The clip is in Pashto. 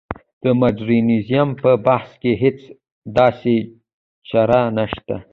د مډرنیزم په بحث کې هېڅ داسې چاره نشته.